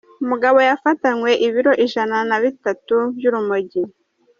UmugaboYafatanwe ibiro Ijana nabitatu by’urumogi